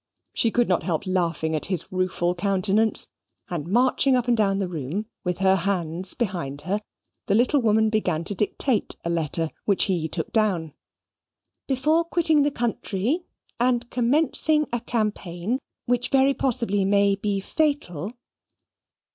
She could not help laughing at his rueful countenance, and marching up and down the room with her hands behind her, the little woman began to dictate a letter, which he took down. "Before quitting the country and commencing a campaign, which very possibly may be fatal."